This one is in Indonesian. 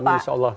amin insya allah